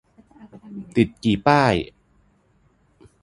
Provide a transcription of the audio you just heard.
ติดกี่ป้าย ?